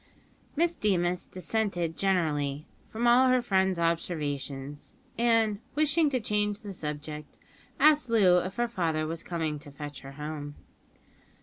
Miss Deemas dissented generally from all her friend's observations, and, wishing to change the subject, asked Loo if her father was coming to fetch her home.